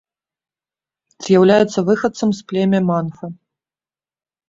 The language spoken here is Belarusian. З'яўляецца выхадцам з племя манфа.